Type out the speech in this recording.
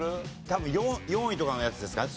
多分４位とかのやつですか？